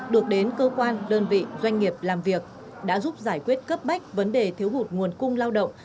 được đến cơ quan đơn vị doanh nghiệp làm việc đã giúp giải quyết cấp bách vấn đề thiếu hụt nguồn cung lao động